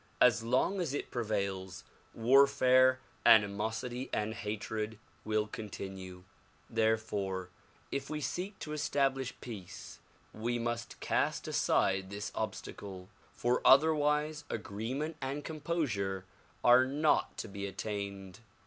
As long as it prevails, warfare, animosity and hatred will continue. Therefore if we seek to establish peace we must cast aside this obstacle, for otherwise agreement and composure are not to be attained.